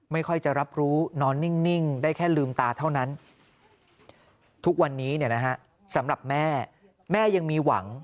ไม่ค่อยจะรับรู้นอนนิ่งได้แค่ลืมตาเท่านั้นทุกวันนี้สำหรับแม่แม่ยังมีหวัง